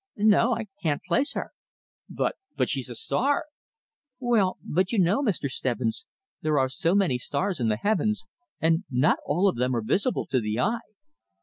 "No, I can't place her." "But but she's a star!" "Well, but you know, Mr. Stebbins there are so many stars in the heavens, and not all of them visible to the eye."